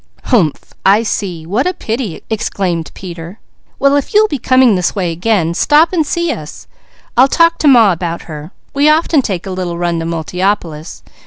"Humph! I see! What a pity!" exclaimed Peter. "Well, if you'll be coming this way again, stop and see us. I'll talk to Ma about her. We often take a little run to Multiopolis.